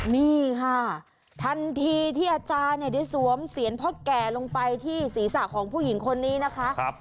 นี่ค่ะทันทีที่อาจารย์เนี่ยได้สวมเสียรพ่อแก่ลงไปที่ศีรษะของผู้หญิงคนนี้นะคะ